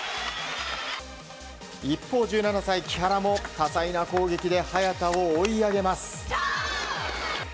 一方１７歳、木原も多彩な攻撃で早田を追い上げます。